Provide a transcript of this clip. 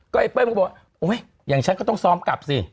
ก็ไอ้เป้ยมันบอกอย่างฉันก็ต้องซ้อมกลับสิ